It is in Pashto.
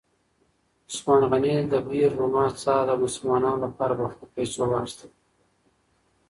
عثمان غني د بئر رومه څاه د مسلمانانو لپاره په خپلو پیسو واخیسته.